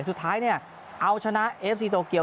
สุดท้ายเอาชนะเอเฟซซีโตเกียล